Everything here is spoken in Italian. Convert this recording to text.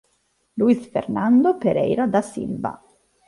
Luiz Fernando Pereira da Silva